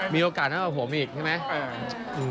มีโอกาสเท่ากับผมอีกใช่ไหม